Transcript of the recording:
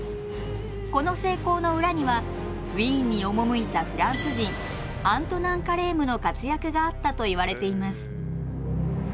この成功の裏にはウィーンに赴いたフランス人アントナン・カレームの活躍があったといわれています。